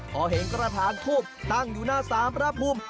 พอเห็นกระทานทุบตั้งอยู่หน้าสามระพุม